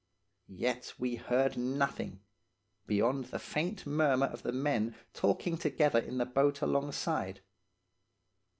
"Yet we heard nothing, beyond the faint murmur of the men talking together in the boat alongside.